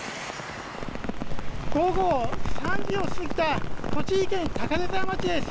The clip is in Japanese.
午後３時を過ぎた栃木県高根沢町です。